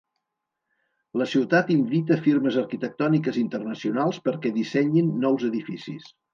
La ciutat invita firmes arquitectòniques internacionals perquè dissenyin nous edificis.